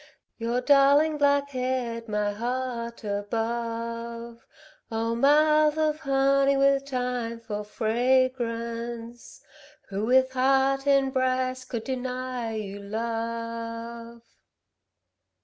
Your darling black head my heart above. O mouth of honey, with thyme for fragrance. Who, with heart in breast, could deny you love?"